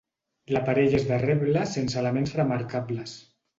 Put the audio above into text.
L'aparell és de reble sense elements remarcables.